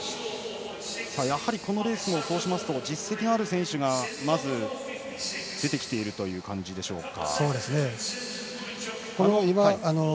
やはりこのレースもそうすると実績ある選手がまず出てきている感じでしょうか。